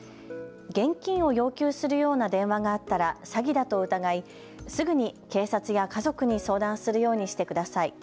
現金を要求するような電話があったら詐欺だと疑いすぐに警察や家族に相談するようにしてください。